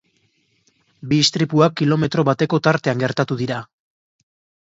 Bi istripuak kilometro bateko tartean gertatu dira.